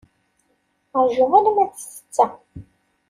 Rju alamma d ssetta.